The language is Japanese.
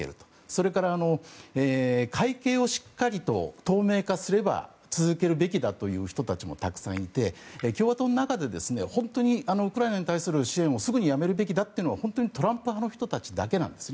それから、会計をしっかりと透明化すれば続けるべきだという人たちもたくさんいて共和党の中で本当にウクライナに対する支援をすぐにやめるべきだというのは本当にトランプ派の人たちだけなんです。